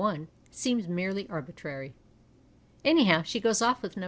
1 seems merely arbitrary. Anyhow, she goes off with No.